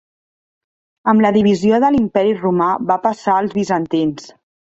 Amb la divisió de l'imperi romà va passar als bizantins.